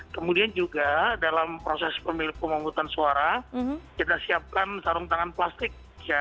kemudian juga dalam proses pemungutan suara kita siapkan sarung tangan plastik